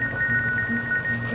sampai jumpa lagi